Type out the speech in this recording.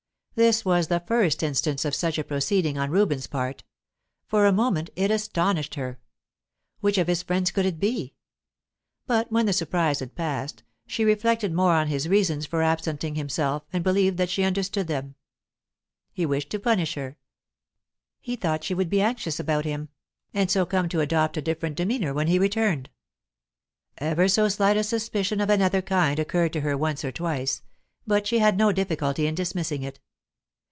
This was the first instance of such a proceeding on Reuben's part. For a moment, it astonished her. Which of his friends could it be? But when the surprise had passed, she reflected more on his reasons for absenting himself, and believed that she understood them. He wished to punish her; he thought she would be anxious about him, and so come to adopt a different demeanour when he returned. Ever so slight a suspicion of another kind occurred to her once or twice, but she had no difficulty in dismissing it.